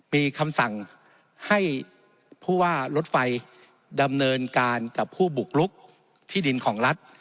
มีคำสั่งให้ผู้ว่ารถไฟดำเนินการกับผู้บุกลุกที่ดินของรัฐ